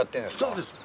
そうです。